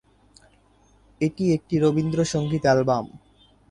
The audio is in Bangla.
এটি একটি রবীন্দ্রসঙ্গীত অ্যালবাম।